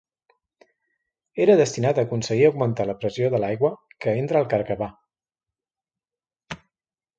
Era destinat a aconseguir augmentar la pressió de l'aigua que entra al carcabà.